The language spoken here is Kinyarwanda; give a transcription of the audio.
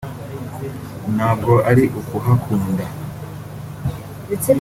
Ntabwo ari ukuhakunda